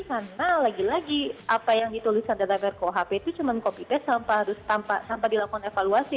karena lagi lagi apa yang dituliskan dalam rkuhp itu cuma copy paste tanpa dilakukan evaluasi